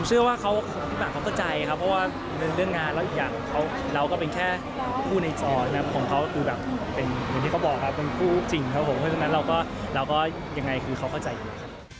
เชื่อว่าพี่หมากเขาเข้าใจครับเพราะว่าเรื่องงานแล้วอีกอย่างเราก็เป็นแค่คู่ในจอนะครับของเขาคือแบบเป็นเหมือนที่เขาบอกครับเป็นคู่จริงครับผมเพราะฉะนั้นเราก็ยังไงคือเขาเข้าใจอยู่